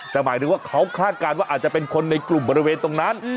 แต่หมายถึงว่าเขาคาดการณ์ว่าอาจจะเป็นคนในกลุ่มบริเวณตรงนั้น